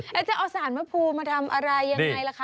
แล้วจะเอาสารพระภูมิมาทำอะไรยังไงล่ะคะ